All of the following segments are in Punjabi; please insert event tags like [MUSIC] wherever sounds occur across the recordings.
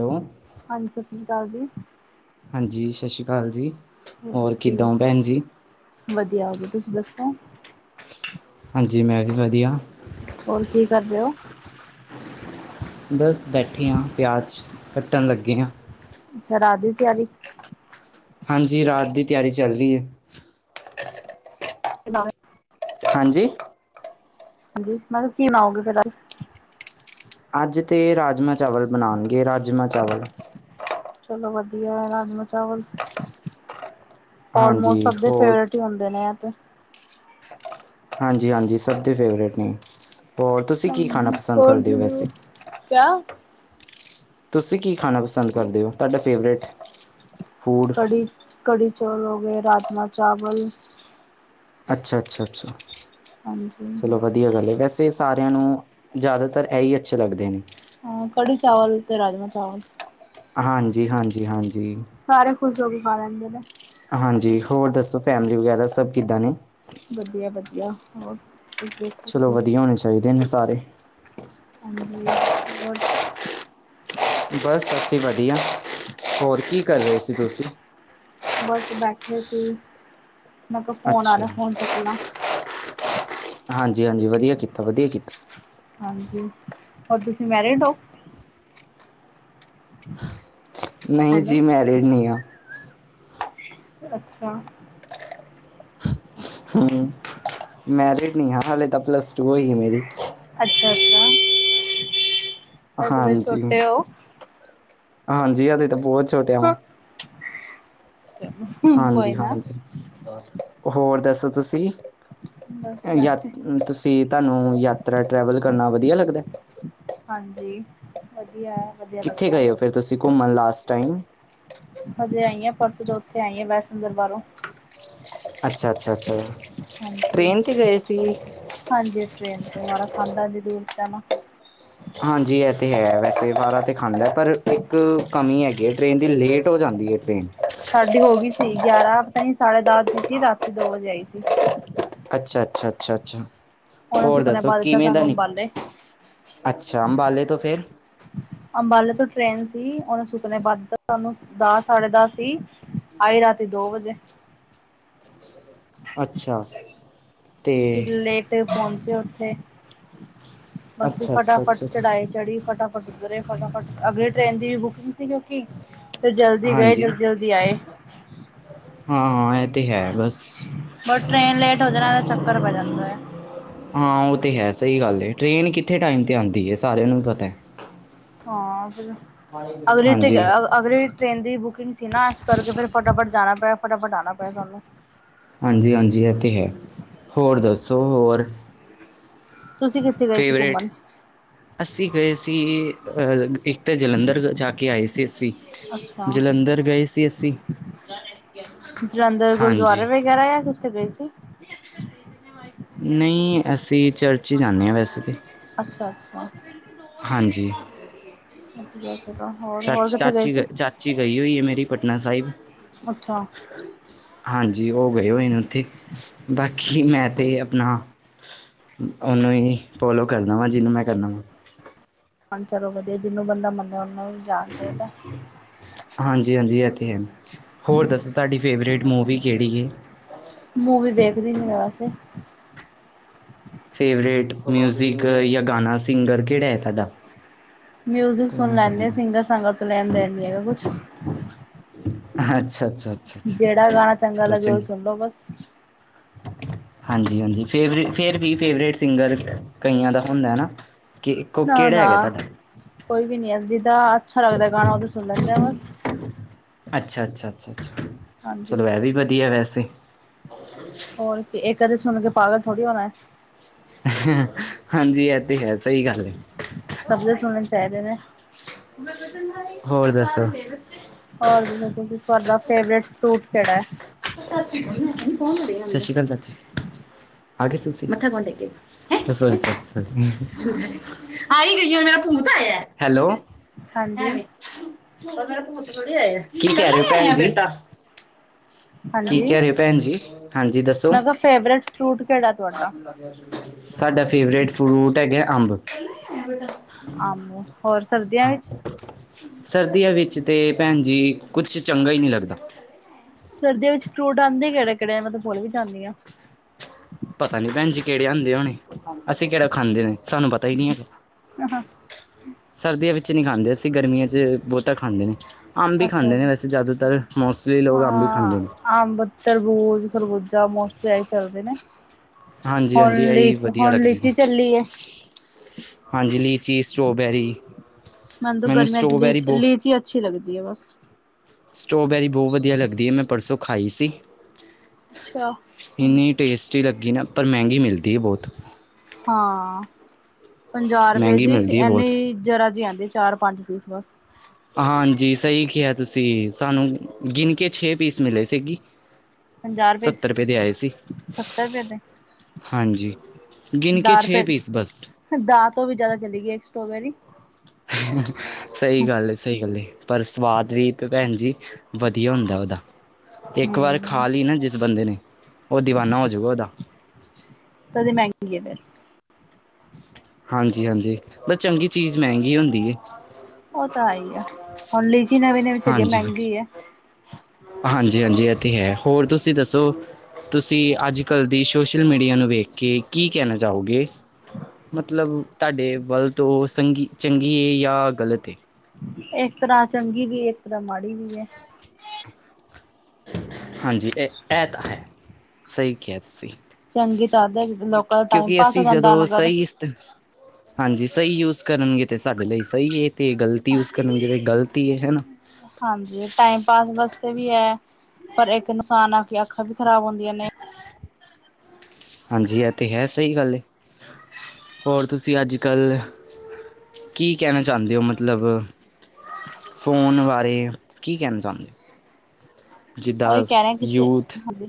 ਹੈਲੋ ਹਾਂਜੀ, ਸਤਿ ਸ੍ਰੀ ਅਕਾਲ ਜੀ। ਹਾਂਜੀ ਸਤਿ ਸ਼੍ਰੀ ਅਕਾਲ ਜੀ। ਹੋਰ ਕੀ, ਕਿੱਦਾਂ ਹੋ ਭੈਣ ਜੀ ਵਧੀਆ ਵਧੀਆ ਤੁਸੀ ਦੱਸੋ। ਹਾਂਜੀ, ਮੈਂ ਵੀ ਵਧੀਆ। ਹੋਰ ਜੀ ਕਰ ਰਹੇ ਓ। ਬਸ ਬੈਠੇ ਆਂ, ਪਆਜ਼ ਕੱਟਣ ਲੱਗੇ ਆਂ। ਅੱਛਾ ਰਾਤ ਦੀ ਤਿਆਰੀ। ਹਾਂਜੀ ਰਾਤ ਦੀ ਤਿਆਰੀ ਚੱਲ ਰੀ ਐ। [UNINTELLIGIBLE] ਹਾਂਜੀ ਹਾਂਜੀ ਮੈਂ ਕਿਆ ਕੀ ਣਾਓਗੇ ਫੇਰ ਅੱਜ। ਅੱਜ ਤੇ ਰਾਜਮਾਂ ਚਾਵਲ ਬਣਾਣਗੇ, ਰਾਜਮਾਂ ਚਾਵਲ। ਚਲੋ ਵਧੀਆ ਐ ਰਾਜਮਾ ਚਾਵਲ। ਹਾਂਜੀ ਆਲਮੋਸਟ ਸਭ ਦੇ ਹੋਰ ਫੇਵਰੇਟ ਈ ਹੁੰਦੇ ਨੇ ਐ ਤੇ। ਹਾਂਜੀ ਹਾਂਜੀ ਸਭ ਦੇ ਫੇਵਰੇਟ ਨੇ, ਹੋਰ ਤੁਸੀਂ ਕੀ ਖਾਣਾ ਪਸੰਦ ਕਰਦੇ ਓ ਵੈਸੇ। ਕਆ ਤੁਸੀਂ ਕੀ ਖਾਣਾ ਪਸੰਦ ਕਰਦੇ ਓ, ਤਾਡਾ ਫੇਵਰੇਟ ਫੂਡ ਕੜੀ, ਕੜੀ ਚੌਲ ਓ ਗੇ, ਰਾਜਮਾ ਚਾਵਲ ਅੱਛਾ ਅੱਛਾ ਅੱਛਾ ਹਾਂਜੀ ਚਲੋ ਵਧੀਆ ਗੱਲ ਵੈਸੇ ਸਾਰਿਆਂ ਨੂੰ ਜਾਦਾਤਰ ਐਈ ਅੱਛੇ ਲੱਗਦੇ ਨੇ। ਅ ਕੜੀ ਚਾਵਲ ਤੇ ਰਾਜਮਾ ਚਾਵਲ। ਹਾਂਜੀ ਹਾਂਜੀ ਹਾਂਜੀ। ਸਾਰੇ ਖੁਸ਼ ਹੋ ਕੇ ਖਾ ਲੈਂਦੇ ਨੇ। ਹਾਂਜੀ ਹੋਰ ਦੱਸੋ ਫੈਮਲੀ ਵਗੈਰਾ ਸਭ ਕਿੱਦਾਂ ਨੇ। ਵਧੀਆ ਵਧੀਆ ਹੋਰ ਤੁਸੀ ਦਸੇ। ਚਲੋ ਵਧੀਆ ਹੋਣੇ ਚਾਈਦੇ ਨੇ ਸਾਰੇ। -ਹੋਰ- ਬਸ ਅਸੀ ਵਧੀਆ, ਹੋਰ ਕੀ ਕਰ ਰੇ ਸੀ ਤੁਸੀਂ। ਬਸ ਬੈਠੇ ਸੀ, ਮੈਂ ਕਿਆ ਫੋਨ ਆ ਅੱਛਾ, ਰਾ ਫੋਨ ਚੱਕਲਾਂ। ਹਾਂਜੀ ਹਾਂਜੀ ਵਧੀਆ ਕੀਤਾ, ਵਧੀਆ ਕੀਤਾ ਹਾਂਜੀ ਹੋਰ ਤੁਸੀਂ ਮੈਰਿਡ ਓ? ਨਹੀਂ ਹੈਲੋ- ਜੀ ਮੈਰਿਡ ਨਹੀਂ ਆ, ਅੱਛਾ। ਹੂੰ ਮੈਰਿਡ ਨੀ ਆਂ ਹਾਲੇ ਤਾਂ ਪਲੱਸ ਟੂ ਹੋਈ ਮੇਰੀ। ਅੱਛਾ ਅੱਛਾ ਹਾਂਜੀ- ਹਾਂਜੀ ਹਜੇ ਤਾਂ ਬੋਤ ਛੋਟ [UNINTELLIGIBLE] ਹਾਂਜੀ ਨਾ ਹਾਂਜੀ ਹੋਰ ਦੱਸੋ ਤੁਸੀਂ। ਬਸ ਯਾ ਬੈਠੇ ਤੁਸੀਂ ਤਾਨੂੰ ਯਾਤਰਾ ਟਰੈਵਲ ਕਰਨਾ ਵਧੀਆ ਲੱਗਦਾ। ਹਾਂਜੀ- ਵਧੀਆ ਐ। ਕਿੱਥੇ ਗਏ ਓ ਫੇਰ ਤੁਸੀਂ ਘੁੰਮਣ ਲਾਸਟ ਟਾਈਮ। ਹਜੇ ਆਈ ਆਂ, ਰਸੋਂ ਚਓਥੇ ਆਈ ਆਂ ਵੈਸ਼ਨੋ ਦਰਬਾਰੋਂ। ਅੱਛਾ ਅੱਛਾ ਅੱਛਾ ਹਾਂਜੀ, ਟ੍ਰੇਨ ਤੇ ਗਏ ਸੀ। ਹਾਂਜੀ ਟ੍ਰੇਨ ਤੇ ਵਾਰਾ ਖਾਂਦਾ ਏਨੀ ਦੂਰ ਜਾਨਾ। ਹਾਂਜੀ ਐ ਤੇ ਹੈ ਵੈਸੇ ਵਾਰਾ ਤੇ ਖਾਂਦਾ, ਪਰ ਇੱਕ ਕਮੀ ਹੈਗੀ ਏ ਟ੍ਰੇਨ ਦੀ। ਲੇਟ ਟ ਓ ਜਾਂਦੀ ਏ ਟ੍ਰੇਨ। ਸਾਡੀ ਹੋ ਗੀ ਸੀ, ਗਿਆਰਾਂ ਪਤਾ ਨੀ ਸਾਢੇ ਦਸ ਦੀ ਸੀ ਰਾਤੀ ਦੋ ਵਜੇ ਆਈ ਸੀ ਅੱਛਾ ਅੱਛਾ ਅੱਛਾ ਅੱਛਾ। ਉਹਨੇ ਹੋਰ ਸੁੱਕਨੇ ਦੱਸੋ ਪਾ ਦਿੱਤਾ ਕਿਵੇਂ ਦਾ ਸਾਨੂੰ ਅੰਬਾਲੇ। -ਅੱਛਾ- ਅੰਬਾਲੇ ਤੋਂ ਫੇਰ ਅੰਬਾਲੇ ਤੋਂ ਟ੍ਰੇਨ ਸੀ ਉਹਨੇ ਸੁਕਨੇ ਬਾ ਦਿੱਤਾ ਸਾਨੂੰ ਦਸ ਸਾਢੇ ਦਸ ਸੀ। ਆਏ ਰਾਤੀ ਦੋ ਵਜੇ। ਅੱਛਾ ਤੇ ਤੇ ਪਹੁੰਚੇ ਉੱਥੇ ਅਸੀ ਅੱਛਾ ਅੱਛਾ ਫਟਾਫਟ ਅੱਛਾ ਅੱਛਾ। ਚੜ੍ਹਾਈ ਚੜ੍ਹੀ। ਫਟਾਫਟ ਉਤਰੇ ਫਟਾਫਟ ਅਗਲੀ ਟ੍ਰੇਨ ਦੀ ਵੀ ਬੁਕਿੰਗ ਸੀ, ਕਿਉਂਕਿ ਫੇਰ ਜਲਦੀ ਗਏ ਹਾਂਜੀ ਜਲਦੀ-ਜਲਦੀ ਦੀ ਆਏ। ਹਾਂ, ਇਹ ਤੇ ਹੈ ਬਸ ਬਸ ਟ੍ਰੇਨ ਲੇਟ ਹੋਜੇ ਨਾ ਤੇ ਚੱਕਰ ਪੈ ਜਾਂਦਾ ਹੈ। ਹਾਂ, ਉਹ ਤਾਂ ਹੈ ਸਹੀ ਗੱਲ ਹੈ ਟ੍ਰੇਨ ਕਿੱਥੇ ਟਾਈਮ 'ਤੇ ਆਉਂਦੀ ਹੈ ਸਾਰਿਆਂ ਨੂੰ ਵੀ ਪਤਾ ਹੈ। ਹਾਂ ਫਿਰ ਅਗਲੀ ਹਾਂਜੀ [UNINTELLIGIBLE] ਅਗਲੀ ਟ੍ਰੇਨ ਦੀ ਬੁਕਿੰਗ ਸੀ ਨਾ ਇਸ ਕਰਕੇ ਫਿਰ ਫਟਾਫਟ ਜਾਣਾ ਪਿਆ ਫਟਾਫਟ ਆਉਣਾ ਪਿਆ ਸਾਨੂੰ। ਹਾਂਜੀ-ਹਾਂਜੀ ਇਹ ਤੇ ਹੈ ਹੋਰ ਦੱਸੋ ਹੋਰ। ਕਿਥੇ ਗਏ ਸੀ ਫੇਵਰੇਟ ਘੁੰਮਣ? ਅਸੀਂ ਗਏ ਸੀ ਅਹ ਇੱਕ ਤਾਂ ਜਲੰਧਰ ਜਾ ਕੇ ਆਏ ਸੀ ਅਸੀਂ। ਅੱਛਾ ਜਲੰਧਰ ਗਏ ਸੀ ਅਸੀਂ। ਜਲੰਧਰ ਗੁਰਦੁਆਰਾ ਹਾਂਜੀ ਵਗੈਰਾ ਯਾਂ ਕਿਥੇ ਗਏ ਸੀ? ਨਹੀਂ ਅਸੀਂ ਚਰਚ ਹੀ ਜਾਂਦੇ ਹਾਂ ਵੈਸੇ ਤੇ। ਅੱਛਾ-ਅੱਛਾ। ਹਾਂਜੀ। ਵਧੀਆ, ਚਲੋ ਹੋਰ ਹੋਰ ਚਾਚੀ ਕਿੱਥੇ ਗਏ ਚਾਚੀ ਗ ਸੀ। ਚਾਚੀ ਗਈ ਹੋਈ ਹੈ ਮੇਰੀ ਪਟਨਾ ਸਾਹਿਬ ਅੱਛਾ। ਹਾਂਜੀ ਉਹ ਗਏ ਹੋਏ ਨੇ ਉੱਥੇ ਬਾਕੀ ਮੈਂ ਤੇ ਆਪਣਾ ਉਹਨੂੰ ਹੀ ਫੋਲੋ ਕਰਦਾ ਵਾ, ਜਿਹਨੂੰ ਮੈਂ ਕਰਨਾ ਵਾਂ ਚਲੋ ਵਧੀਆ ਜਿਹਨੂੰ ਬੰਦਾ ਮੰਨੇ, ਉਹਨੂੰ ਹੀ ਜਾਣ ਚਾਹੀਦਾ। ਹਾਂਜੀ-ਹਾਂਜੀ ਇਹ ਤੇ ਹੈ, ਹੋਰ ਦੱਸੋ ਤੁਹਾਡੀ ਫੇਵਰੇਟ ਮੂਵੀ ਕਿਹੜੀ ਹੈ। ਮੂਵੀ ਦੇਖਦੀ ਨੀ ਮੈਂ ਵੈਸੇ ਫੇਵਰੇਟ ਮਿਊਜ਼ਿਕ ਯਾਂ ਗਾਣਾ ਸਿੰਗਰ ਕਿਹੜਾ ਹੈ ਤੁਹਾਡਾ? ਮਿਊਜਿਕ ਕੋਈ ਸੁਣ ਮੈਂ ਕਰ ਲੈਂਦੇ ਦੂੰਗਾ ਸਿੰਗਰ ਸਾਗ਼ਰ ਲੈਣ ਦੇਣ ਨੀ ਹੈਗਾ ਕੁਛ। ਅੱਛਾ-ਅੱਛਾ। ਜਿਹੜਾ ਗਾਣਾ ਚੰਗਾ ਲੱਗੇ, ਉਹ ਸੁਣ ਲੋ ਬਸ। ਹਾਂਜੀ-ਹਾਂਜੀ ਫੇਵਰੇਟ ਫੇਰ ਵੀ। ਫੇਵਰੇਟ ਸਿੰਗਰ ਰੱਖਿਆ ਕਈਆਂ ਦਾ ਹੁੰਦਾ ਹੈ ਨਾ। ਕਿ ਕੋ ਨਾ ਕਿਹੜਾ ਨਾ ਹੈਗਾ ਤੁਹਾਡਾ? ਕੋਈ ਵੀ ਨੀ ਹੈ ਜਿੱਦਾਂ ਅੱਛਾ ਲੱਗਦਾ ਗਾਣਾ ਉਦਾ ਸੁਣ ਲੈਂਦੇ ਆ ਬਸ। ਅੱਛਾ ਅੱਛਾ ਅੱਛਾ ਅੱਛਾ ਹਾਂਜੀ। ਚਲੋ ਇਹ ਵੀ ਵਧੀਆ ਵੈਸੇ। ਹੋਰ ਕੀ ਇਕ ਦੀ ਸੁਣ ਕੇ ਪਾਗਲ ਥੋੜ੍ਹੀ ਹੋਣਾ ਹੈ। ਹਾਂਜੀ ਇਹ ਤੇ ਹੈ ਸਹੀ ਗੱਲ ਏ। ਸਬਦੇ ਸੁਣਨੇ ਚਾਹੀਦੇ ਨੇ ਹੋਰ ਦੱਸੋ। ਹੋਰ ਦੱਸੋ ਤੁਸੀਂ ਤੁਹਾਡਾ ਫੇਵਰੇਟ ਫਰੂਟ ਕਿਹੜਾ ਹੈ। ਸਤਿ ਸ਼੍ਰੀ ਅਕਾਲ ਚਾਚੀ ਆ ਗਏ ਤੁਸੀਂ ਮੱਥਾ ਕੌਣ ਟੇਕੇਗਾ। ਆਈ ਹੀ ਗਈ ਮੇਰਾ ਭੂਤ ਆਇਆ ਹੈਲੋ। ਹਾਂਜੀ। ਐਵੇਂ ਕੀ ਕਿਹ ਰਹੇ ਭੈਣ ਜੀ। ਕੀ ਹਾਂਜੀ-ਹਾਂਜੀ। ਕਹਿ ਰਹੇ ਹੋ ਭੈਣ ਜੀ ਹਾਂਜੀ ਦੱਸੋ। ਮੈਂ ਕਿਹਾ ਫੇਵਰੇਟ ਫਰੂਟ ਕਿਹੜਾ ਤੁਹਾਡਾ ਸਾਡਾ ਫੇਵਰੇਟ ਫਰੂਟ ਹੈਗਾ ਅੰਬ। [INAUDIBLE] ਅੰਬ, ਹੋਰ ਸਰਦੀਆਂ ਇਚ? ਸਰਦੀਆਂ ਵਿੱਚ ਤੇ ਭੈਣ ਜੀ ਕੁਛ ਚੰਗਾ ਹੀ ਨਈ ਲੱਗਦਾ। ਸਰਦੀਆਂ ਵਿੱਚ ਫਰੂਟ ਆਂਦੇ ਕਿਹੜੇ-ਕਿਹੜੇ ਮੈਂ ਤੇ ਪੁਲ ਵੀ ਜਾਂਦੀ ਆ। ਪਤਾ ਨੀ ਭੈਣ ਜੀ ਕਿਹੜੇ ਆਂਦੇ ਹੋਣੇ ਅਸੀਂ ਕਿਹੜਾ ਖਾਂਦੇ ਨੇ ਸਾਨੂੰ ਪਤਾ ਹੀ ਨੀ ਹੈਗਾ। ਹਾਂ ਸਰਦੀਆਂ ਵਿੱਚ ਨੀ ਖਾਂਦੇ ਅਸੀਂ ਗਰਮੀਆਂ ਚ ਬੋਹਤਾ ਖਾਂਦੇ ਨੇ। ਅੰਬ ਹੀ ਅੱਛਾ ਖਾਂਦੇ ਨੇ ਜੀ ਵੈਸੇ ਜਾਦਾਤਰ ਮੋਸਲੀ ਲੋਕ ਅੰਬ ਹੀ ਹਾਂ ਖਾਂਦੇ ਨੇ। ਅੰਬ, ਤਰਬੂਜ, ਖਰਬੂਜਾ ਮੋਸਟਲੀ ਆਹੀ ਚੱਲਦੇ ਨੇ। ਹਾਂਜੀ ਹੁਣ ਹਾਂਜੀ ਇਹੀ ਲੀਚ ਵਧੀਆ ਹੁਣ ਲੱਗਦੇ ਨੇ ਲੀਚੀ ਚੱਲੀ ਏ। ਹਾਂਜੀ ਲੀਚੀ, ਸਟ੍ਰੋਬੈਰੀ। ਮੈਨ ਤੇ ਮੈਨੂੰ ਗਰਮੀਆਂ ਚ ਸਟ੍ਰੋਬੈਰੀ ਲੀਚ ਬਹੁਤ ਲੀਚੀ ਅੱਛੀ ਲੱਗਦੀ ਏ ਬੱਸ। ਸਟ੍ਰੋਬੈਰੀ ਬੌਹ ਵਧੀਆ ਲੱਗਦੀ ਏ ਮੈਂ ਪਰਸੋਂ ਖਾਈ ਸੀ। ਅੱਛਾ ਇੰਨੀ ਟੇਸਟੀ ਲੱਗੀ ਨਾ ਪਰ ਮਹਿੰਗੀ ਮਿਲਦੀ ਏ ਬੋਤ। ਹਾਂ ਪੰਜਾਹ ਰੁਪਏ ਮਹਿੰਗੀ ਜਚ ਮਿਲਦੀ ਹੈ ਬਹੁਤ ਏਨੀੇ ਜਰਾ ਜੀ ਆਂਦੀ ਏ ਚਾਰ ਪੰਜ ਪੀਸ ਬਸ। ਹਾਂਜੀ ਸਹੀ ਕਿਹਾ ਤੁਸੀਂ ਸਾਨੂੰ ਗਿਣਕੇ ਛੇ ਪੀਸ ਮਿਲੇ ਸੇ ਗੀ। ਪੰਜਾਹ ਰੁਪਏ ਚ ਸੱਤਰ ਰੁਪਏ ਦੇ। ਹਾਂਜੀ ਗਿਣ ਕੇ ਛੇ ਪੀਸ ਬਸ। ਦਾ ਤੋਂ ਵੀ ਜਾਦਾ ਚਲੀ ਗਈ ਏ ਸਟ੍ਰੋਬੇਰੀ। ਸਹੀ ਗੱਲ ਏ, ਸਹੀ ਗੱਲ ਏ ਪਰ ਸਵਾਦ ਵੀ ਭੈਣ ਜੀ ਵਧੀਆ ਹੁੰਦਾ ਉਦਾ। ਇੱਕ ਵਾਰ ਹਮ ਖਾ ਲੀ ਨਾ ਜਿਸ ਬੰਦੇ ਨੇ ਉਹ ਦੀਵਾਨਾ ਹੋਜੂਗਾ ਉਹਦਾ। ਤਦੇ ਮਹਿੰਗੀ ਏ ਫੇਰ। ਹਾਂਜੀ-ਹਾਂਜੀ ਬਸ ਚੰਗੀ ਚੀਜ਼ ਮਹਿੰਗੀ ਹੁੰਦੀ ਏ। ਉਹ ਤਾ ਹੈ ਈ ਆ, ਹੁਣ ਲੀਜੀ ਨਵੀਂ-ਨਵੀਂ ਚਲੀ ਏ ਮਹਿੰਗੀ ਹੈ। ਹਾਂਜੀ-ਹਾਂਜੀ ਇਹ ਤੇ ਹੈ, ਹੋਰ ਤੁਸੀਂ ਦੱਸੋ। ਤੁਸੀਂ ਅੱਜ ਕੱਲ੍ਹ ਦੀ ਸੋਸ਼ਲ ਮੀਡੀਆ ਨੂੰ ਵੇਖ ਕੇ ਕੀ ਕਹਿਨਾ ਚਾਹੋਗੇ। ਮਤਲਬ ਤੁਹਾਡੇ ਵਲ ਤੋਂ ਸੰਗੀ ਚੰਗੀ ਏ ਯਾ ਗਲਤ ਏ? ਇੱਕ ਤਰ੍ਹਾਂ ਚੰਗੀ ਵੀ ਏ ਇੱਕ ਤਰ੍ਹਾਂ ਮਾੜੀ ਵੀ ਏ। ਹਾਂਜੀ ਇਹ-ਇਹ ਤਾਂ ਹੈ ਸਹੀ ਕਿਹਾ ਤੁਸੀਂ। ਚੰਗੀ ਤਾਂ ਲੋਕਾਂ ਦਾ ਟਾਈਮ ਕਿਉਂਕਿ ਪਾਸ ਹੋ ਅਸੀਂ ਜਾਂਦਾ ਜਦੋਂ ਅਗਰ ਸਈ ਹਾਂਜੀ ਸਹੀ ਯੂਜ ਕਰਨਗੇ ਤੇ ਸਾਡੇ ਲਈ ਸਹੀ ਹੈ ਤੇ ਗਲਤ ਯੂਜ ਕਰਨਗੇ ਤੇ ਗ਼ਲਤ ਈ ਏ ਹਨਾ। ਹਾਂਜੀ ਟਾਈਮ ਪਾਸ ਵਾਸਤੇ ਵੀ ਐ ਪਰ ਇੱਕ ਇਨਸਾਨ ਆ ਕੇ ਅੱਖਾਂ ਵੀ ਖਰਾਬ ਹੁੰਦੀਆਂ ਨੇ। ਹਾਂਜੀ ਇਹ ਤੇ ਹੈ ਸਹੀ ਗੱਲ ਏ ਹੋਰ ਤੁਸੀਂ ਅੱਜ ਕੱਲ ਕੀ ਕਹਨਾ ਚਾਹੁੰਦੇ ਹੋ ਮਤਲਬ ਫੋਨ ਬਾਰੇ ਕੀ ਕਹਨਾ ਚਾਹੁੰਦੇ ਹੋ। ਉਹੀ ਜਿੱਦਾਂ ਕਹਿ ਰਹੇ ਕਿਸੇ ਯੂਥ ਹਾਂਜੀ।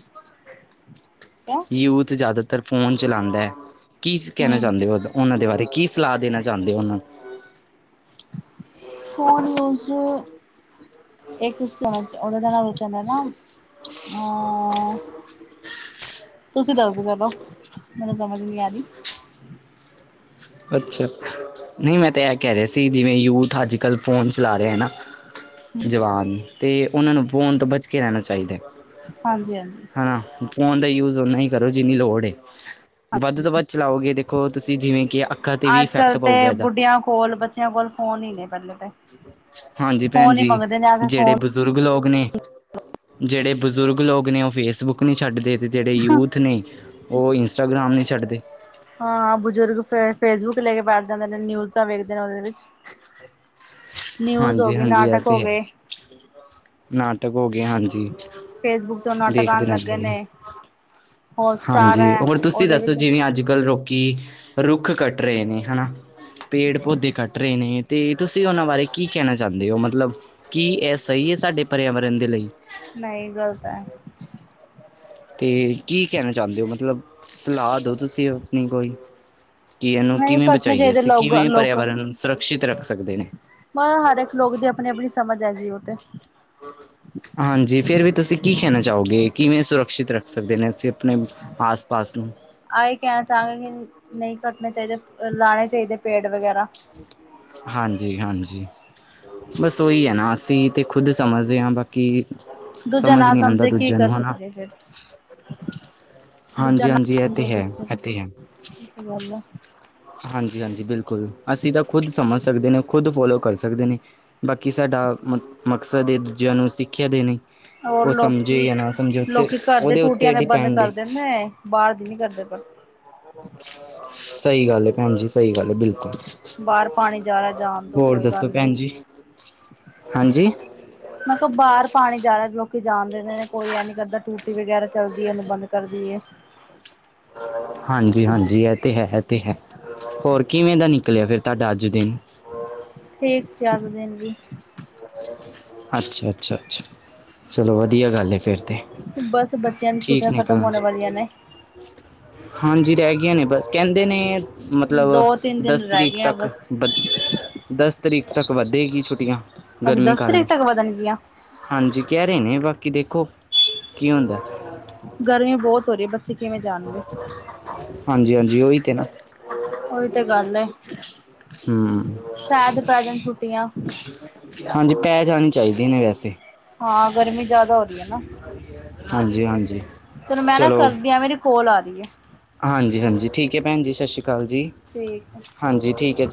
ਕਿਆ। ਯੂਥ ਜਾਦਾਤਰ ਫੋਨ ਚਲਾਦਾ ਕੀ ਕਹਿਣਾ ਹਮ ਚਾਹੁੰਦੇ ਹੋ ਉਹਦਾ? ਉਨਾਂ ਦੇ ਬਾਰੇ ਕੀ ਸਲਾਹ ਦੇਨਾ ਚਾਹੁੰਦੇ ਹੋ ਉਨ੍ਹਾਂ ਫੋਨ ਯੂਜ ਅੱਛਾ। [UNINTELLIGIBLE] ਇਹ ਕੁਛ ਹੋਣਾ ਉਹਦਾ ਜ ਵਿਚ ਹੋਂਦਾ ਨਾ। ਤੁਸੀਂ ਦੱਸਦੇ ਚਲੋ ਮੈਨੂੰ ਸਮਝ ਨੀ ਆ ਰਹੀ। ਅੱਛਾ, ਨੀ ਮੈਂ ਤਾਂ ਇਹ ਕਹਿ ਰਿਹਾ ਸੀ, ਜਿਵੇਂ ਯੂਥ ਅੱਜ-ਕੱਲ੍ਹ ਫੋਨ ਚਲਾ ਰਿਹਾ ਨਾ। ਜਵਾਨ ਤੇ ਉਹਨਾਂ ਨੂੰ ਫੋਨ ਤੋਂ ਬਚ ਕੇ ਰਹਿਣਾ ਚਾਹੀਦਾ, ਹਾਂਜੀ ਹਾਂਜੀ ਹਾ। ਫੋਨ ਦਾ ਯੂਜ ਓਨਾ ਹੀ ਕਰੋ ਜਿੰਨੀ ਲੋੜ ਏ ਵੱਧ ਤੋਂ ਵੱਧ ਚਲਾਓਗੇ ਦੇਖੋ ਤੁਸੀਂ ਜਿਵੇਂ ਕਿ ਅੱਖਾਂ ਤੇ ਵੀ ਇਫੈਕਟ ਅਜ-ਕੱਲ ਤੇ ਪਊਗਾ ਇਹਦਾ ਬੁੱਢਿਆਂ ਕੋਲ, ਬੱਚਿਆਂ ਕੋਲ ਫੋਨ ਹੀ ਨੇ ਪਹਿਲੇ ਤੇ। ਹਾਂਜੀ, ਭੈਣ ਫੋਨ ਹੀ ਜੀ ਮੰਗਦੇ ਨੇ ਆ ਕੇ ਜਿਹੜੇ ਫੋਨ ਬਜ਼ੁਰਗ ਲੋਗ ਨੇ ਜਿਹੜੇ ਬਜ਼ੁਰਗ ਲੋਕ ਨੇ ਉਹ ਫੇਸਬੁੱਕ ਨਹੀਂ ਛੱਡਦੇ। ਉ ਜਿਹੜੇ ਯੂਥ ਨੇ ਉ ਇੰਸਟਾਗਰਾਮ ਨਹੀਂ ਛੱਡਦੇ। ਹਾਂ, ਬਜ਼ੁਰਗ ਫੇਰ ਫੇਸਬੁੱਕ ਲੈ ਕੇ ਬੈਠ ਜਾਂਦੇ ਨੇ, ਨਿਊਜ਼ਾਂ ਵੇਖਦੇ ਨੇ ਉਹਦੇ ਵਿੱਚ। ਨਿਊਜ਼ ਹੋ ਹਾਂਜੀ ਗਏ, ਹਾਂਜੀ ਇਹ ਨਾਟਕ ਹੋ ਤੇ ਹੈ ਗਏ। ਨਾਟਕ ਹੋ ਗਿਆ ਹਾਂਜੀ। ਫੇਸਬੁੱਕ ਤੋਂ ਨਾਟਕ ਦੇਖਦੇ ਆਣ ਲੱਗ ਰਹਿੰਦੇ ਗਏ ਨੇ। ਹੋਰ ਸਟਾਰ ਹਾਂਜੀ, ਹੈ ਹੋਰ ਤੁਸੀਂ ਉਹਦੇ ਦੱਸੋ ਵਿੱਚ ਜਿਵੇਂ ਅੱਜ-ਕੱਲ੍ਹ ਲੋਕੀ ਰੁੱਖ ਕੱਟ ਰਹੇ ਨੇ ਹਨਾ। ਪੇੜ-ਪੌਦੇ ਕੱਟ ਰਹੇ ਨੇ ਤੇ ਤੁਸੀਂ ਉਹਨਾਂ ਬਾਰੇ ਕੀ ਕਹਿਣਾ ਚਾਹੁੰਦੇ ਹੋ? ਮਤਲਬ ਕੀ ਇਹ ਸਹੀ ਹੈ ਸਾਡੇ ਪਰਿਆਵਰਨ ਦੇ ਲਈ? ਨਹੀਂ ਗ਼ਲਤ ਹੈ। ਤੇ ਕੀ ਕਹਿਣਾ ਚਾਹੁੰਦੇ ਹੋ ਮਤਲਬ ਸਲਾਹ ਦੋ ਤੁਸੀਂ ਆਪਣੀ ਕੋਈ। ਕਿ ਇਹਨੂੰ ਨਹੀਂ ਕਿਵੇਂ ਕੱਟਣੇ ਬਚਾਈਏ ਚਾਹੀਦੇ ਅਸੀਂ, ਲੋਕ ਕਿਵੇਂ ਲੋਕ ਪਰਿਆਵਰਨ ਨੂੰ ਸੁਰੱਖਸ਼ਿਤ ਰੱਖ ਸਕਦੇ ਨੇ? ਬ, ਹਰ ਇੱਕ ਲੋਕ ਦੀ ਆਪਣੀ-ਆਪਣੀ ਸਮਝ ਹੈਗੀ ਉ ਤੇ। ਹਾਂਜੀ, ਫੇਰ ਵੀ ਤੁਸੀਂ ਕੀ ਕਹਿਣਾ ਚਾਹੋਗੇ ਕਿਵੇਂ ਸੁਰੱਖਿਅਤ ਰੱਖ ਸਕਦੇ ਨੇ ਅਸੀਂ ਆਪਣੇ ਆਸ-ਪਾਸ ਨੂੰ। ਆਹੀ ਕਹਿਣਾ ਚਾਹਾਂਗੇ ਕਿ ਨਹੀਂ ਕੱਟਣੇ ਚਾਹੀਦੇ, ਲਾਣੇ ਚਾਹੀਦੇ ਪੇੜ ਵਗੈਰਾ। ਹਾਂਜੀ-ਹਾਂਜੀ। ਬਸ ਉਹੀ ਹੈ ਨਾ ਅਸੀਂ ਤੇ ਖੁਦ ਸਮਝਦੇ ਹਾਂ ਬਾਕ ਕਿ ਸਮਝ ਨੀ ਆਂਦਾ ਦੂਜਿਆਂ ਨੂੰ ਹੈ ਨਾ। ਤੇ ਫਿਰ ਦੂਜਾ ਹਾਂਜੀ ਨ ਹਾਂਜੀ ਇਹ ਸਮਝੇ ਹੈ ਤੇ ਇਹੀ ਤੇ ਗੱਲ ਏ। ਹਾਂਜੀ-ਹਾਂਜੀ, ਬਿਲਕੁਲ ਅਸੀਂ ਤਾਂ ਖੁਦ ਸਮਝ ਸਕਦੇ ਨੇ। ਖੁਦ ਫੋਲੋ ਕਰ ਸਕਦੇ ਨੇ, ਬਾਕੀ ਸਾਡਾ ਮ ਮਕਸਦ ਇਹ ਦੂਜਿਆਂ ਨੂੰ ਸਿੱਖਿਆ ਦੇਣੀ। ਹੋਰ ਉਹ ਸਮਝੇ ਜਾਂ ਨਾ ਸਮਝੇ ਉੱਤੇ ਲੋਕੀ-ਲੋਕੀ ਘਰਦੀ ਉਹਦੇ ਉੱਤੇ ਟੂਟੀਆਂ ਦੇ ਬੰਦ ਡਿਪੈਂਡ ਏ ਕਰਦੇਂਦੇ ਨੇ ਬਾਹਰ ਦੀ ਨੀ ਕਰਦੇ ਪਰ। ਸਹੀ ਗੱਲ ਹੈ ਭੈਣ ਜੀ ਸਹੀ ਗੱਲ ਹੈ ਬਿਲਕੁਲ। ਬਾਹਰ ਪਾਣੀ ਜਾ ਰਿਹਾ ਜਾਣ ਤੋਂ ਹੋਰ ਕੋਈ ਦੱਸੋ ਗੱਲ ਨਹੀਂ ਭੈਣ ਜੀ, ਹਾਂਜੀ। ਮੈ ਕਿਹਾ ਬਾਹਰ ਪਾਣੀ ਜਾ ਰਿਹਾ ਲੋਕੀ ਜਾਣਦੇ ਨੇ ਕੋਈ ਐ ਨੀ ਕਰਦਾ ਟੂਟੀ ਵਗੈਰਾ ਚੱਲਦੀ ਹੈ ਇਹਨੂੰ ਬੰਦ ਕਰਦੀਏ। ਹਾਂਜੀ-ਹਾਂਜੀ ਇਹ ਤੇ ਹੈ- ਤੇ ਹੈ। ਹੋਰ ਕਿਵੇਂ ਦਾ ਨਿਕਲਿਆ ਫਿਰ ਤੁਹਾਡਾ ਅੱਜ ਦਿਨ? ਠੀਕ ਸੀਗਿਆ ਅੱਜ ਦਾ ਦਿਨ ਵੀ। ਅੱਛਾ-ਅੱਛਾ-ਅੱਛਾ, ਚਲੋ ਵਧੀਆ ਗੱਲ ਹੈ ਫਿਰ। ਤੇ ਬਸ ਬੱਚਿਆਂ ਦੀ ਛੁੱਟੀਆਂ ਠੀਕ ਖ਼ਤਮ ਨਿਕਲਣਾ ਹੋਣੇ ਚ ਵਲੀਆਂ ਨੇ। ਹਾਂਜੀ, ਰਹਿ ਗਈਆਂ ਨੇ ਬਸ ਕਹਿੰਦੇ ਨੇ ਮਤਲਬ ਦੋ ਤਿੰਨ ਦਿਨ ਦਸ ਰਹਿ ਤਰੀਕ ਗਏ ਆ ਤੱਕ ਬਸ ਵਦ ਦਸ ਤਰੀਕ ਤੱਕ ਵੱਧੇਗੀ ਛੁੱਟੀਆਂ ਗਰਮੀ ਕਾਰਨ। ਕਿਥੇ ਤੱਕ ਵਧਣਗੀਆਂ? ਹਾਂਜੀ ਕਹਿ ਰਹੇ ਨੇ। ਬਾਕੀ ਦੇਖੋ ਕੀ ਹੁੰਦਾ। ਗਰਮੀ ਬਹੁਤ ਹੋ ਰਹੀ ਹੈ। ਬਚ ਹਾਂਜੀ ਹਾਂਜੀ ਉਹੀ ਤੇ ਨਾ। ਉਹੀ ਤੇ ਗੱਲ ਹੈ ਹਮ [UNINTELLIGIBLE] ਸ਼ਾਇਦ ਪੈਜਨ ਛੁੱਟੀਆਂ। ਹਾਂਜੀ ਪੈ ਜਾਣੀ ਚਾਹੀਦੀ ਨੇ ਵੈਸੇ। ਹਾਂ ਗਰਮੀ ਜ਼ਿਆਦਾ ਹੋ ਰਹੀ ਹੈ ਨਾ ਹਾਂਜੀ, ਹਾਂਜੀ ਚਲੋ ਮੈਂ ਨਾ ਕਰਦੀ ਹਾਂ। ਮੇਰੇ ਕੋਲ ਆ ਰਹੀ ਹੈ। ਹਾਂਜੀ ਹਾਂਜੀ ਠੀਕ ਹੈ। ਭੈਣ ਜੀ ਸਤਿ ਸ਼੍ਰੀ ਅਕਾਲ ਜੀ। ਠੀਕ ਹੈ। ਹਾਂਜੀ ਠੀਕ ਹੈ